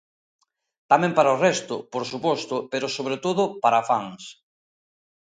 Tamén para o resto, por suposto, pero sobre todo para fans.